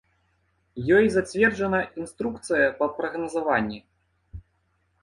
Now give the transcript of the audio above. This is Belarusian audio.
Ёй зацверджана інструкцыя па прагназаванні.